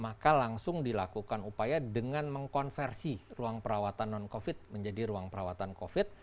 maka langsung dilakukan upaya dengan mengkonversi ruang perawatan non covid menjadi ruang perawatan covid